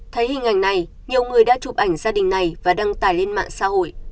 thấy hình ảnh này nhiều người đã chụp ảnh gia đình này và đăng tải lên mạng xã hội